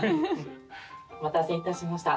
お待たせいたしました。